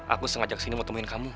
aku sengaja kesini mau temuin kamu